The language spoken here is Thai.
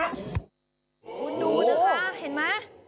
ดูนะคะเห็นไหม